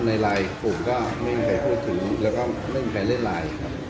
ในไลน์กลุ่มก็ไม่มีใครพูดถึงแล้วก็ไม่มีใครเล่นไลน์ครับ